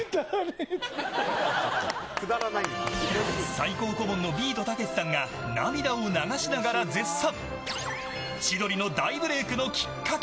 最高顧問のビートたけしさんが涙を流しながら絶賛。